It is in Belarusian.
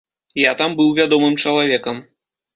Я там быў вядомым чалавекам.